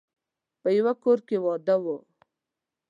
په يوه کور کې واده و.